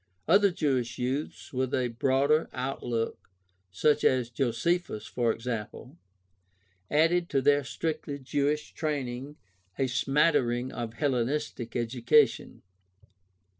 Other Jewish youths with a broader outlook, such as Josephus, for example, added to their strictly Jewish training a smattering of Hellenistic education.